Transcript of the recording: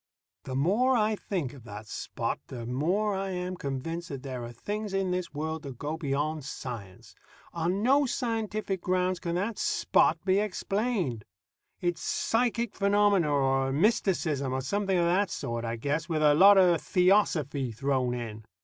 The more I think of that Spot, the more I am convinced that there are things in this world that go beyond science. On no scientific grounds can that Spot be explained. It's psychic phenomena, or mysticism, or something of that sort, I guess, with a lot of theosophy thrown in.